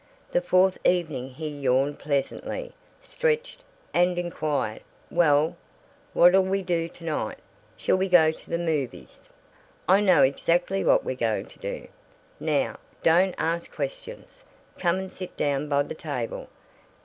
The fourth evening he yawned pleasantly, stretched, and inquired, "Well, what'll we do tonight? Shall we go to the movies?" "I know exactly what we're going to do. Now don't ask questions! Come and sit down by the table.